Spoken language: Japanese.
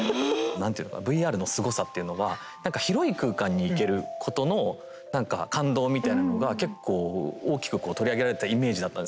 何ていうのかなＶＲのすごさっていうのは何か広い空間に行けることの何か感動みたいなのが結構大きく取り上げられたイメージだったんですね。